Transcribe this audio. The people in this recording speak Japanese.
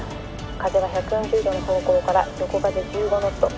「風は１４０度の方向から横風１５ノット」